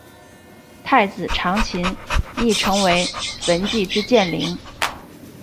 太子长琴亦成为焚寂之剑灵。